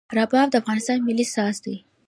رباب د افغانستان ملي ساز دی.